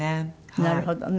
なるほどね。